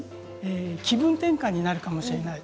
気分転換になるかもしれない。